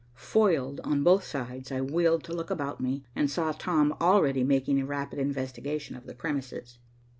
Foiled on both sides, I wheeled to look about me, and saw Tom already making a rapid investigation of the premises.